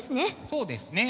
そうですね。